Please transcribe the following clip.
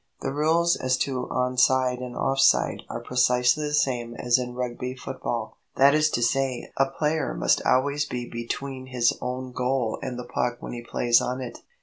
The rules as to on side and off side are precisely the same as in Rugby football; that is to say, a player must always be between his own goal and the puck when he plays on it.